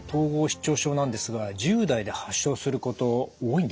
失調症なんですが１０代で発症すること多いんですか？